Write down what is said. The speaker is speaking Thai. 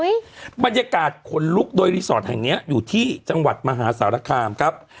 บรรยากาศขนลุกโดยรีสอร์ทแห่งเนี้ยอยู่ที่จังหวัดมหาสารคามครับ